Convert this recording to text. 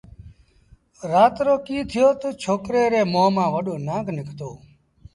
رآت رو ڪيٚ ٿيو تا ڇوڪريٚ ري مݩهݩ مآݩ وڏو نآݩگ نکتو